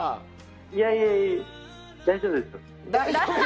いやいや、大丈夫ですよ。